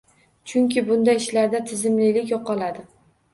Chunki bunda ishlarda tizimlilik yo‘qoladi.